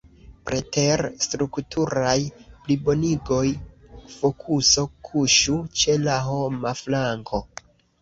Preter strukturaj plibonigoj, fokuso kuŝu ĉe la homa flanko.